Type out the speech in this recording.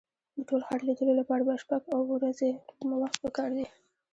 د ټول ښار لیدلو لپاره شپږ اوه ورځې وخت په کار دی.